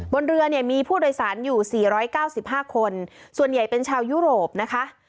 บนเรือเนี่ยมีผู้โดยสารอยู่๔๙๕คนส่วนใหญ่เป็นชาวยุโรปนะคะ